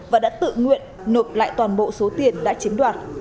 và đã tự nguyện nộp lại toàn bộ số tiền đã chiếm đoạt